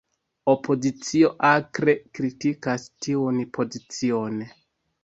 Opozicio akre kritikas tiun pozicion.